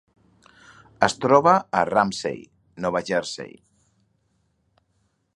Es troba a Ramsey, Nova Jersey.